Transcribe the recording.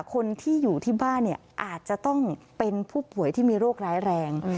คนที่อยู่ที่บ้านเนี่ยอาจจะต้องเป็นผู้ป่วยที่มีโรคร้ายแรง